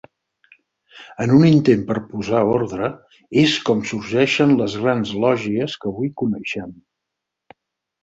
En un intent per posar ordre, és com sorgeixen les grans lògies que avui coneixem.